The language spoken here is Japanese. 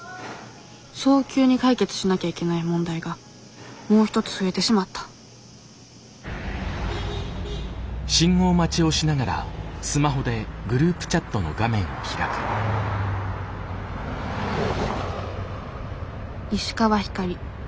早急に解決しなきゃいけない問題がもう一つ増えてしまった石川光莉。